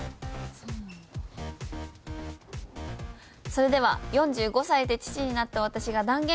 それでは「４５歳で父になった私が断言！